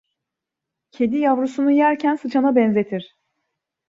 Kedi, yavrusunu yerken sıçana benzetir.